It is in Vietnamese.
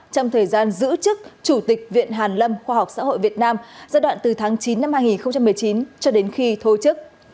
trong thời gian giữ chức chủ tịch viện hàn lâm khoa học xã hội việt nam giai đoạn từ tháng chín năm hai nghìn một mươi chín cho đến khi thôi chức